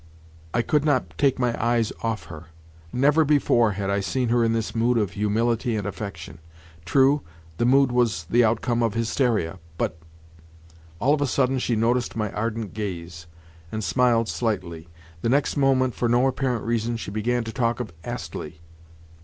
I could not take my eyes off her. Never before had I seen her in this mood of humility and affection. True, the mood was the outcome of hysteria; but—! All of a sudden she noticed my ardent gaze, and smiled slightly. The next moment, for no apparent reason, she began to talk of Astley.